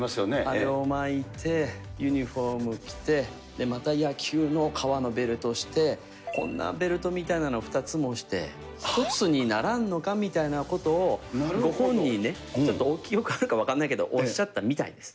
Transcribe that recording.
あれを巻いて、ユニホーム着て、また野球の革のベルトして、こんなベルトみたいなの２つもして、１つにならんのかみたいなことを、ご本人にね、ちょっと、ご記憶あるか分からないですけど、おっしゃってたみたいです。